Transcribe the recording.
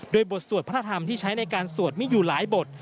โดยบทสวดพระธรรมที่ใช้ในการสวดมีอยู่หลายบท